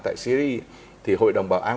tại syria thì hội đồng bảo an